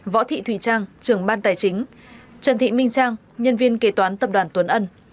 võ thị thùy trang trưởng ban tài chính trần thị minh trang nhân viên kế toán tập đoàn tuấn ân